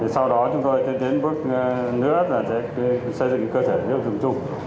sau đó chúng tôi sẽ tiến bước nữa là sẽ xây dựng cơ sở hữu dụng chung